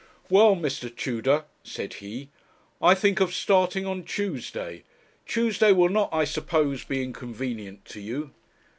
'Well, Mr. Tudor,' said he, 'I think of starting on Tuesday. Tuesday will not, I suppose, be inconvenient to you?'